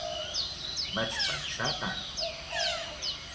Vaig pensar tant.